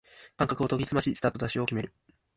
感覚を研ぎすましスタートダッシュを決める